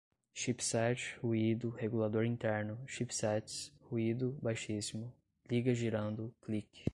chipset, ruído, regulador interno, chipsets, ruído baixíssimo, liga girando, click